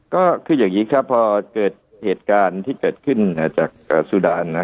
ก็คืออย่างนี้ครับพอเกิดเหตุการณ์ที่เกิดขึ้นจากสุดาน